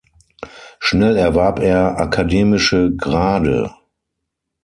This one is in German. Schnell erwarb er akademische Grade.